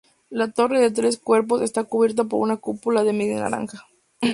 La torre de tres cuerpos está cubierta por una cúpula de media naranja.